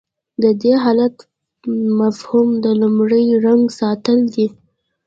د دې حالت مفهوم د لومړي رنګ ساتل دي.